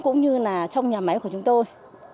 cũng như là trong nhà máy của chúng tôi